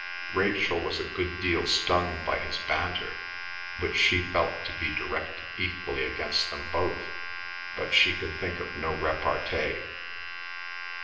Rachel was a good deal stung by his banter, which she felt to be directed equally against them both, but she could think of no repartee.